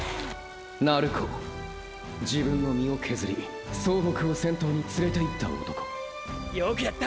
鳴子ーー自分の身を削り総北を“先頭”に連れていった男ーーよくやった！！